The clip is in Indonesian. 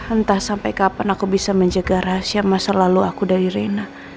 entah sampai kapan aku bisa menjaga rahasia masa lalu aku dari reina